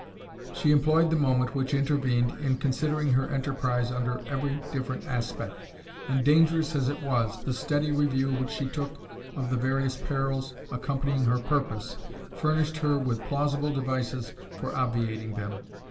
She employed the moment which intervened in considering her enterprise under every different aspect; and dangerous as it was, the steady review which she took of the various perils accompanying her purpose, furnished her with plausible devices for obviating them.